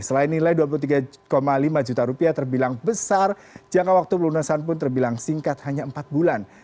selain nilai dua puluh tiga lima juta rupiah terbilang besar jangka waktu pelunasan pun terbilang singkat hanya empat bulan